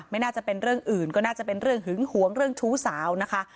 ไม่น่าจะเป็นเรื่องอื่นก็น่าจะเป็นเรื่องหึงหวงเรื่องชู้สาวนะคะ